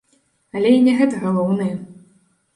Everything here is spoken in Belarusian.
Але і не гэта галоўнае.